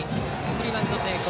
送りバント成功。